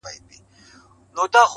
غوجله سمبول د وحشت ښکاري ډېر,